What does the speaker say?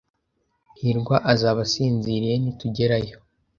hirwa azaba asinziriye nitugerayo.